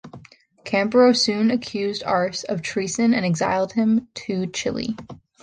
Campero soon accused Arce of treason and exiled him precisely to Chile.